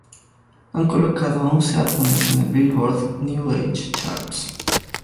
Han colocado once álbumes en el Billboard New Age Charts.